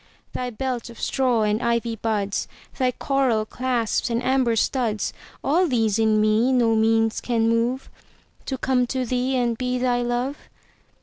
Thy belt of straw and ivy buds, Thy coral clasps and amber studs,—All these in me no means can moveTo come to thee and be thy Love.